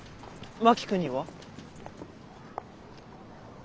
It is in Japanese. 真木君には？